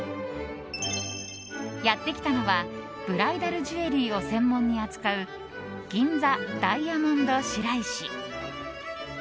やってきたのはブライダルジュエリーを専門に扱う銀座ダイヤモンドシライシ。